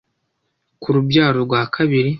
ku rubyaro rwa kabiri,